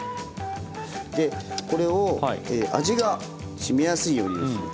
でこれを味がしみやすいようにですね